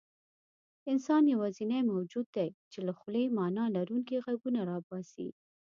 انسان یواځینی موجود دی، چې له خولې معنیلرونکي غږونه راباسي.